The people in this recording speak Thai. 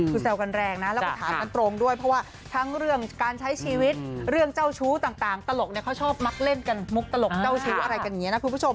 คือแซวกันแรงนะแล้วก็ถามกันตรงด้วยเพราะว่าทั้งเรื่องการใช้ชีวิตเรื่องเจ้าชู้ต่างตลกเนี่ยเขาชอบมักเล่นกันมุกตลกเจ้าชู้อะไรกันอย่างนี้นะคุณผู้ชม